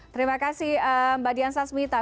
terima kasih mbak dian sasmita